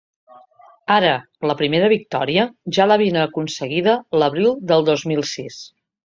Ara, la primera victòria, ja l’havien aconseguida l’abril del dos mil sis.